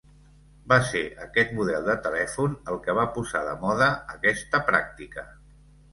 Va ser aquest model de telèfon el qual va posar de moda aquesta pràctica.